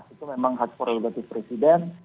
itu memang hak prerogatif presiden